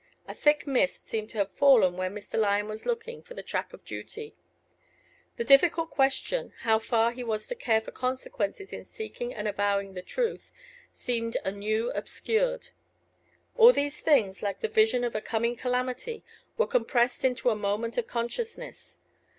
A thick mist seemed to have fallen where Mr. Lyon was looking for the track of duty: the difficult question, how far he was to care for consequences in seeking and avowing the truth, seemed anew obscured. All these things, like the vision of a coming calamity, were compressed into a moment of consciousness.